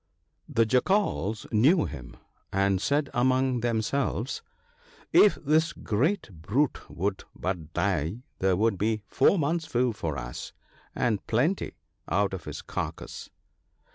The Jackals knew him, and said among themselves, ' If this great brute would but die, there would be four months' food for us, and plenty, out of his carcase.'